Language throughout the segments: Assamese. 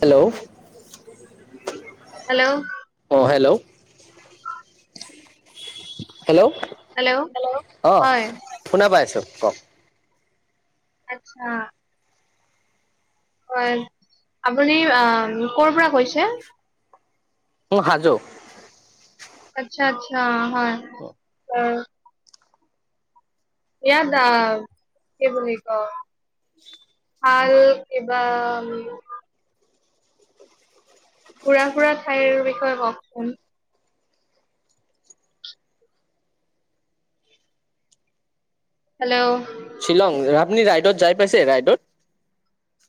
হেল্ল' হেল্ল' অ, হেল্ল' হেল্ল' হেল্ল' অ', হয় শুনা পাই আছোঁ কওক। আচ্ছা। হয় আপুনি আ, কৰ পৰা কৈছে? উ হাজো আচ্ছা আচ্ছা হয়। উম। ইয়াত আ কি বুলি কওঁ? ভাল কিবা ঘূৰা-ফূৰা ঠাইৰ বিষয়ে কওঁকচোন। হেল্ল' শ্বিলং আপনি ৰাইডত যাই পাইছে ৰাইডত?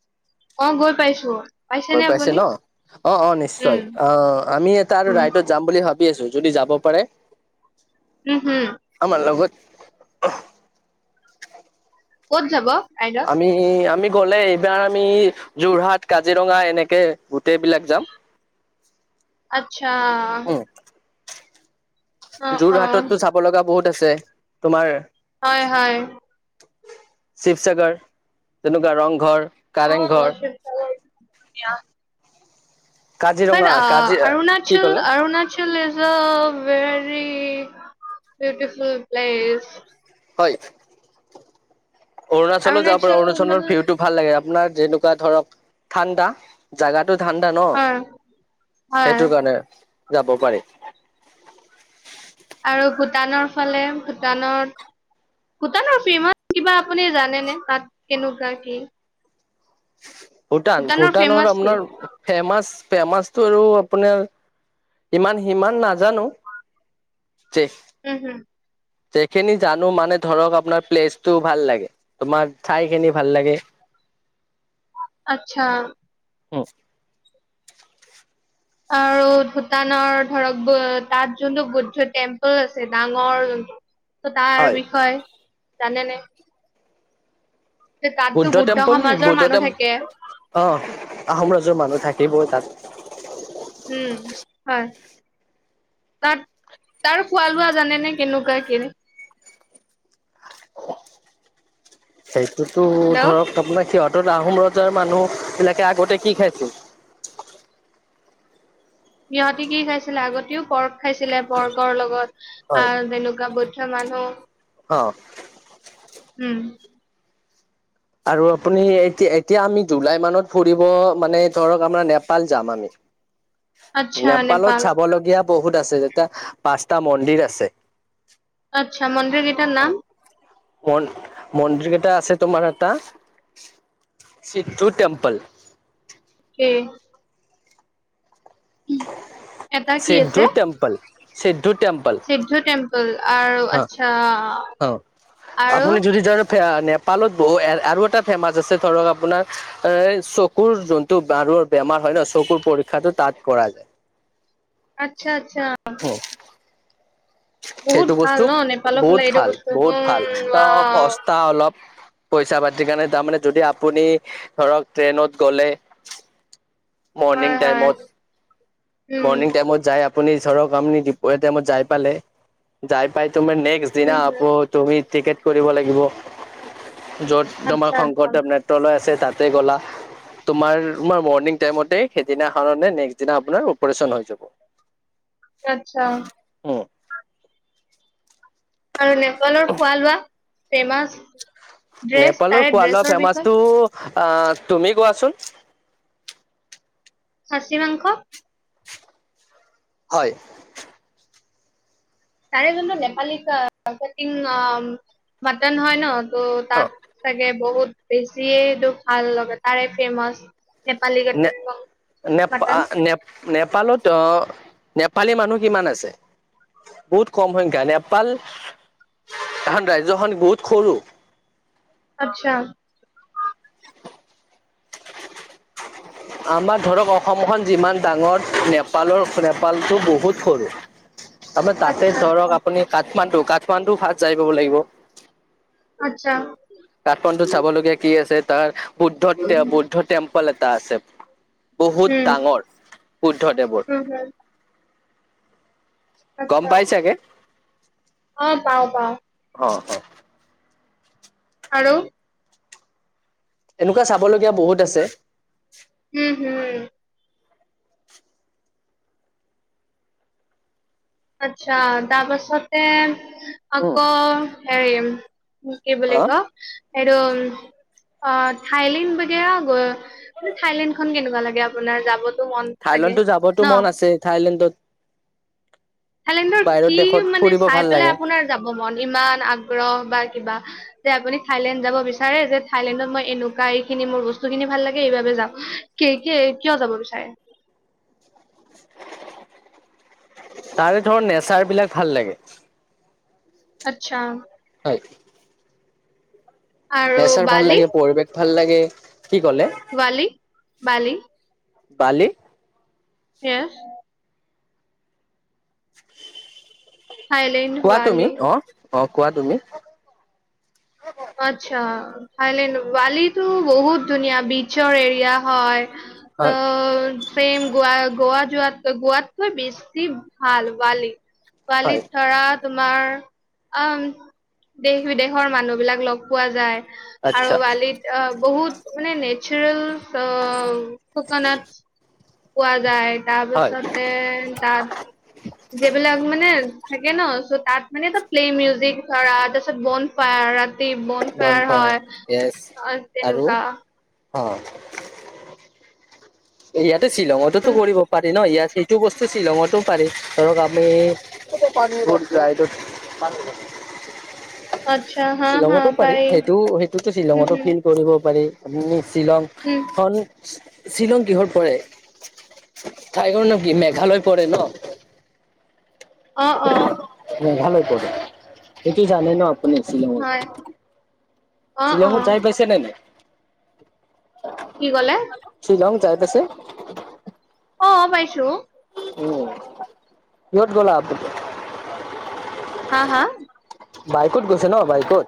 অ', গৈ পাইছোঁ। গৈ পাইছে ন' অ', অ', উম নিশ্চয় অ', আমি এটা আৰু উম ৰাইডত যাম বুলি ভাবি আছোঁ যদি যাব পাৰে উম হম আমাৰ লগত। ক'ত যাব? ৰাইডত আমি আমি গ'লে এইবাৰ আমি যোৰহাট, কাজিৰঙা এনেকে গোটেইবিলাক যাম। আচ্ছা উম অ অ যোৰহাটততো চাব লগা বহুত আছে তোমাৰ হয় হয়। শিৱসাগৰ, তেনেকুৱা ৰংঘৰ। কাৰেংঘৰ [unintelligible] অঁ কাজিৰঙা কাজি কি অৰুণাচল ক'লে Arunachal is a very very beautiful place. হয়। অৰুণাচলো যাব পাৰো, অৰুণাচলৰ ভিউতটো ভাল লাগে। আপোনাৰ যেনেকুৱা ধৰক ঠাণ্ডা জাগাত টো ঠাণ্ডা ন? হয় হয় সেইটো কাৰণে। যাব পাৰে। আৰু ভূটানৰ ফালে ভূটানত ভূটানৰ ফেমাচ কিবা আপুনি জানেনে তাত কেনেকুৱা কি? ভূটান, ভূটানৰ ফেমাচ কি আপোনাৰ ফেমাচ ফেমাচ আৰু আপোনাৰ ইমান সিমান নাজানো। যে উম হম যেখিনি জানো মানে ধৰক আপোনাৰ প্লেচটো ভাল লাগে, তোমাৰ ঠাইখিনি ভাল লাগে। আচ্ছা উম আৰু ভূটানৰ ধৰক অ তাত যোনটো বুদ্ধ টেম্পল আছে ডাঙৰ ত তাৰ হয় বিষয়ে জানেনে? যে তাততো বুদ্ধ টেম্পল সমাজৰ বুদ্ধ মানুহ টেম্প থাকে অ' আহোম ৰাজ্যৰ মানুহ থাকিবই তাত। উম হয়। তাত তাৰ খোৱা লোৱা জানেনে কেনেকুৱা কেনে? সেইটোতো হেল্ল' ধৰক আপোনাৰ সিহঁত আহোম ৰজাৰ মানুহবিলাকে আগতে কি খাইছো? সিহঁতি কি খাইছিলে আগতেও পৰ্ক খাইছিলে। পৰ্কৰ লগত হয় আহ তেনেকুৱা বুদ্ধ মানুহ, অ', উম আৰু আপুনি এতিয়া এতিয়া আমি জুলাই মানত ফুৰিব মানে ধৰক আমাৰ নেপাল যাম আমি। [inaudible] আচ্ছা নেপালত নেপাল চাবলগীয়া বহুত আছে যেতিয়া পাঁচটা মন্দিৰ আছে। আচ্ছা! মন্দিৰ কেইটাৰ নাম? মন মন্দিৰকেইটা আছে তোমাৰ এটা, সিদ্ধু টেম্পল। উম এটা কি সিদ্ধু আছে টেম্প, সিদ্ধ সিদ্ধু টেম্পল আৰু অ', আচ্ছা অ'। আৰু। আপুনি যদি ধৰ নেপালত বহু আৰু এটা ফেমাচ আছে ধৰক আপোনাৰ এ চকুৰ যোনটো। বেমাৰ হয় নহ চকুৰ পৰীক্ষাটো তাত কৰা যায়। আচ্ছা আচ্ছা। বহুত সেইটো ভাল বস্তু ন নেপালৰ ফালে বহুত এইটো ভাল বস্তু উম বহুত ভাল ত ৱাও সস্তা অলপ। পইচা পাতিৰ কাৰণে তাৰমানে যদি আপুনি ধৰক ট্ৰেইনত গ'লে। মৰ্নিং হয় হয় টাইমত উম মৰ্নিং টাইমত যায়। আপুনি ধৰক আপুনি দুপৰীয়া টাইমত যাই পালে। যাই পাই তোমাৰ নেক্সট দিনা উম আকৌ তুমি টিকেট কৰিব লাগিব য'ত তোমাৰ আচ্ছা আচ্ছা শংকৰদেৱ নেত্ৰালয় আছে তাত। তাতে গ'লা তোমাৰ তোমাৰ মৰ্নিং টাইমতেই সেইদিনাখনেনে নে নেক্সট দিনা আপোনাৰ অপাৰেশ্যন হৈ যাব। আচ্ছা উম আৰু নেপালৰ খোৱা-লোৱা ফেমাচ? ড্ৰেছ নেপালৰ তাৰে খোৱা-লোৱা ড্ৰেছৰ ফেমাচ বিষয়ে টো আহ তুমি কোৱাচোন। খাচী মাংস। হয়। তাৰে যোনটো নেপালী কাটিং মাটন হয় নহ। ত' অ তাত চাগে বহুত বেছিয়ে এইটো ভাল লগা তাৰে ফেমাচ। নেপালী নে কাটিং নেপা মটন নে নেপালত অ। নেপালী মানুহ কিমান আছে। বহুত কম সংখ্যা নেপাল এখন ৰাজ্যখন বহুত সৰু। আচ্ছা। আমাৰ ধৰক অসমখন যিমান ডাঙৰ নেপালৰ নেপালটো বহুত সৰু। তাৰপৰা তাতে আচ্ছা ধৰক আচ্ছা আপুনি কাঠমাণ্ডু কাঠমাণ্ডু ফাৰ্ষ্ট যাই পাব লাগিব। আচ্ছা। কাঠমাণ্ডু চাবলগীয়া কি আছে তাৰ বুদ্ধ বুদ্ধ টেম্পল এটা আছে। বহুত উম ডাঙৰ বুদ্ধদেৱৰ। হম হম গম পাই চাগে। পাওঁ পাওঁ পাওঁ। অ অ। আৰু। এনেকুৱা চাবলগীয়া বহুত আছে। উম হম। আচ্ছা তাৰপাছতে উম আকৌ হেৰিম। কি বুলি হা কওঁ এইটো। অ থাইলেণ্ড [unintelligible] মানে থাইলেণ্ড খন কেনেকুৱা লাগে আপোনাৰ যাব। থাইলেণ্ডত যাবতো মন আছে থাইলেণ্ডত। থাইলেণ্ডৰ বাহিৰত কি দেশত মানে ফুৰিব চাই ভাল পেলাই লাগে আপোনাৰ যাব মন ইমান আগ্ৰহ বা। কিবা যে আপুনি থাইলেণ্ড যাব বিচাৰে যে থাইলেণ্ডত মই এনেকুৱা এইখিনি মোৰ বস্তুখিনি ভাল লাগে এইবাবে। যাম কি কিয় যাব বিচাৰে। [inaudible] তাৰে ধৰক নেচাৰ বিলাক ভাল লাগে। আচ্ছা। [unintelligible] আৰু নেচাৰ ভাল বালি লাগে পৰিৱেশ ভাল লাগে কি ক'লে। বালি বালি। বালি। [unintelligible] থাইলেণ্ড কোৱা তুমি বালি অ অ কোৱা তুমি। [inaudible] আচ্ছা থাইলেণ্ড ৱালিটো বহুত ধুনীয়া বিচৰ এৰিয়া হয়। হয় ত' চেইম গোৱা গোৱাত যোৱাতকৈ গোৱাতকৈ বেছি ভাল বালি। হয় বালিত ধৰা তোমাৰ অঁ দেশ-বিদেশৰ মানুহবিলাক লগ পোৱা যায়। আৰু আচ্ছা বালিত অ বহুত মানে নেচাৰেল অঁ ক'ক'নাট পোৱা যায়। তাৰ হয় পিছতে তাত যিবিলাক মানে থাকে ন য'ত তাত মানে এটা প্লে' মিউজিক ধৰা, তাৰ পিছত বন ফায়াৰ বন ফেয়াৰ বনফায়াৰ হয় য়েছ অ আৰু তেনেকুৱা। অ। ইয়াতে শ্বিলঙটো কৰিব পাৰি নহ ইয়াত। এইটো বস্তু শ্বিলঙটো পাৰি ধৰক আমি। [unintelligible] আচ্ছা হা হা শ্বিলঙটো পাৰি সেইটো সেইটোতো উম, শ্বিলঙটো হম, ফিল কৰিব পাৰি। উম উম, শ্বিলংখন শ্বিলং। কিহত পৰে? ঠাই খনৰ নাম কি? মেঘালয় পৰে ন? অ' অ' মেঘালয় পৰে। সি কি জানে ন আপুনি হয় শ্বিলঙৰ। অ', শ্বিলঙত অ', যাই পাইছে নে নাই? কি ক'লে? শ্বিলং যাই পাইছে? অ' পাইছো। উম, কিহত গ'লা [unintelligible] হাঁ হাঁ? বাইকত গৈছে ন বাইকত?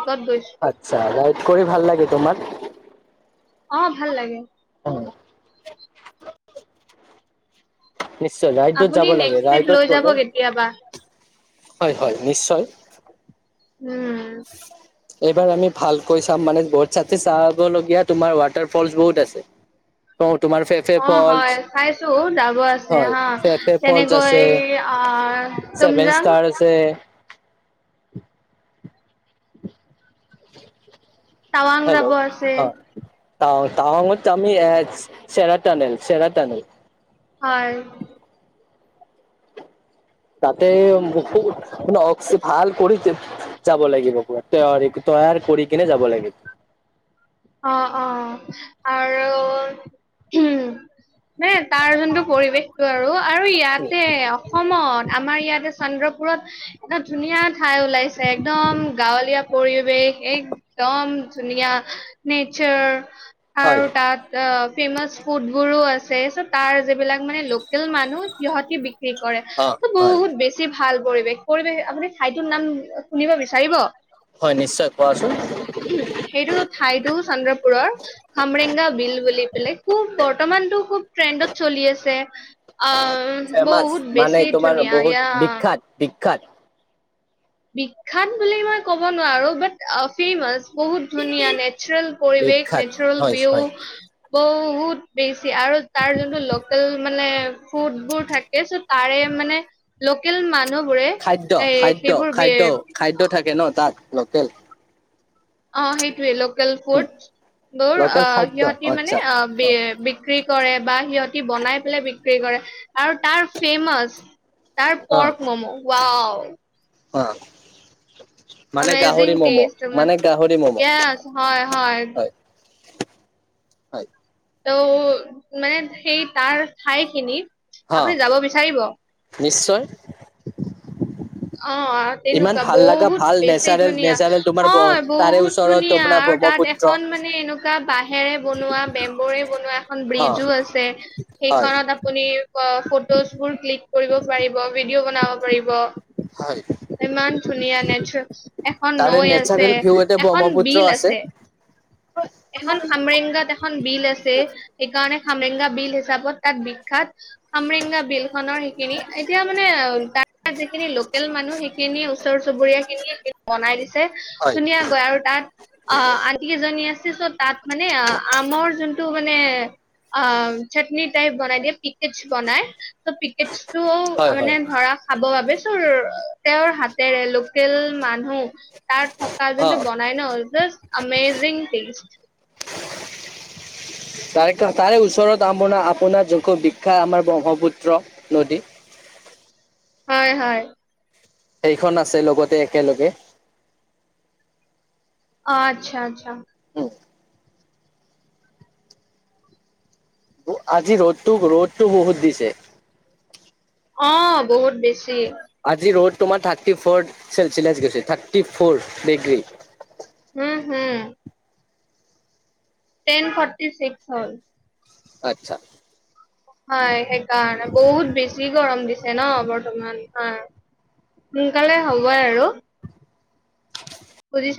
অ' বাইকত। আচছা! কৰি ভাল লাগে তোমাৰ? অ' ভাল লাগে। অ নিশ্চয়, ৰাইডত আপুনি যাব লাগে, নেক্সট ট্ৰিপ লৈ ৰাইডত যাব গ'লে কেতিয়াবা হয় হয়, নিশ্চয়। উম এইবাৰ আমি ভালকৈ চাম মানে [unintelligible] চা চাবলগীয়া তোমাৰ ৱাটাৰ ফলচ বহুত আছে। [unintelligible] অ' ফলচ হয চাইছো, যাব আছে হয় হা। তেনেকৈ আহ চেভেন তুমজাং ষ্টাৰ আছে [inaudible] টাৱাং হেল্ল' যাব আছে হ তাৱা তাৱাঙত আমি এ চে চেৰা টানেল চেৰা টানেল। হয় তাতে মোকো [unintelligible] ভাল কৰি যা যাব লাগিব পূৰা তৈয়াৰী তৈয়াৰ কৰি কিনে যাব লাগিব। [inaudible] অ', অ', [unintelligible] মানে তাৰ যোনটো পৰিৱেশতটো আৰু। আৰু ইয়াতে অসমত আমাৰ ইয়াতে চন্দ্ৰ পুৰত এটা ধুনীয়া ঠাই ওলাইছে একদম গাঁৱলীয়া পৰিৱেশ একদম ধুনীয়া নেচাৰ হয় আৰু তাত অ' ফেমাচ ফুডবোৰো আছে বিচাৰিছে তাৰ যিবিলাক মানে লোকেল মানুহ সিহঁতি বিক্ৰী বিক্ৰী অ কৰে। হয় বহুত বেছি ভাল পৰিৱেশ, পৰিৱেশ আপুনি ঠাইটোৰ নাম শুনিব বিচাৰিব? হয় নিশ্চয়, কোৱাচোন। টো চন্দ্ৰপুৰৰ খামৰেংগা বিল বুলি পেলাই খুব বৰ্তমানতটো খুব ট্ৰেণ্ডত চলি আছে। আহ ফেমাচ বহুত মানে বেছি তোমাৰ ধুনীয়া বহুত ইয়া বিখ্যাত বিখ্যাত বিখ্যাত বুলি মই ক'ব নোৱাৰো বাট ফেমাচ বহুত ধুনীয়া নেচাৰেল পৰিৱেশ বিখ্যাত নেচাৰেল হয় হয় ভউ বহুত বেছি আৰু তাৰ যোনটো লোকেল মানে ফুড বোৰ থাকে চ' তাৰে মানে লোকেল মানুহ বোৰে খাদ্য এ খাদ্য খাদ্য সেইবোৰ খাদ্য থাকে ন তাত লোকেল অ সেইটোৱে লোকেল উ ফুড বৌৰ, লোকেল অ' খাদ্য সিহঁতি মানে আচ্ছা অ' বি বিক্ৰী কৰে বা সিহঁতি বনাই পেলাই বিক্ৰী কৰে। আৰু তাৰ ফেমাচ তাৰ অ পৰ্ক মম', ৱাও অ' মানে আমেজিং গাহৰি ম'ম'? টেষ্ট মান মানে গাহৰি ম'ম'? য়েছ হয় হয়। হয় ত' মানে সেই তাৰ ঠাইখিনিত হা আপুনি যাব বিচাৰিব? নিশ্চয়। অ ইমান তেনেকুৱা ভাল লগা বহুত ভাল বেছি নেচাৰেল ধুনীয়া নেচাৰেল তোমাৰ হয় তাৰে বহুত ওচৰত ধুনীয়া তোমাৰ আৰু তাত ব্ৰহ্মপুত্ৰ এখন মানে এনেকুৱা বাহ ে ব বম্ব ব এ অ বজ আছে হয় সেইখনত আপু 'জ বোৰ ক্লিক কৰিব পাৰিব ভিডিঅ' বনাব পাৰিব হয় ইমান ধুনীয়া নেচ এখন তাৰে নৈ আছে নেচাৰেল ভিউ এটা এখন ব্ৰহ্মপুত্ৰ বিল আছে এখন খামৰেঙগাত এখন বিল আছে সেইকাৰণে খামৰেংগা বিল হিচাপত তাত বিখ্য্াত খামৰেগা বিল খনৰ সেইখিনি এতিয়া মানোত যিখিনি লোকেল মানুহ সেইখিনিয় ওচৰ চুবুৰীয়া খিনিয়ে বনাই দিছে হয় ধুনীয়াাকৈ আৰু তাত অ আটি কেইজনী আছে তাত মানে আমৰ যোনটো মানে অ চাটনি টাইপ বনাই দিয়ে পিকেজ বনাই চ পিকেজ টো হয় হয় মানে ধৰা খাবৰ বাবে তেওঁৰ হাতেৰে লোকেল মানুহ তাৰ থকা অ যোনটো বনাই ন জা আমেজিং থিং তাৰে তাৰে ওচৰত আপাৰ আপোনাৰ যশ বিখ্যাত আমাৰ ব্ৰহ্মপুত্ৰ নদী হয় হয় সেইখন আছে লগতে একেলগে আচ্ছা আচ্ছা উম আজি ৰ'দতটো ৰ'দটো বহুত দিছে অ বহুত বেছি আজি ৰ'দ তোমাৰ থাৰ্টি ফ'ৰ চেলচিয়াছ গৈছে থাৰ্টি ফ'ৰ ডিগ্ৰী উম হম টেন ফাৰ্টি ছিক্স হয়' আচ্ছা হয় সেইকাৰণে বহুত বেছি গৰম দিছে ন বৰ্তমান অ সোনকালে হ'ব আৰু বুজিছা